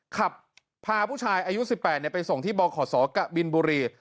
ขับพาผู้ชายอายุ๑๘ไปส่งที่บขศกะบินบุรี